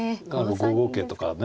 ５五桂とかね